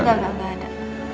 nggak nggak ada